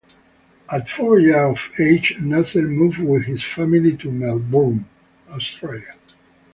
At four years of age Nasser moved with his family to Melbourne, Australia.